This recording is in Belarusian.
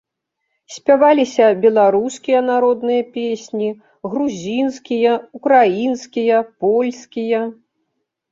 Спяваліся беларускія народныя песні, грузінскія, украінскія, польскія.